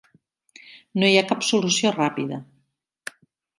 No hi ha cap solució ràpida.